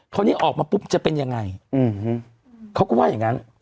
คราวนี้ออกมาปุ๊บจะเป็นยังไงเขาก็ว่าอย่างนั้น